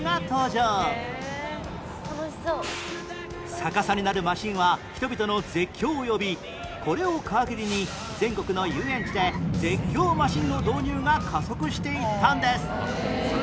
逆さになるマシンは人々の絶叫を呼びこれを皮切りに全国の遊園地で絶叫マシンの導入が加速していったんです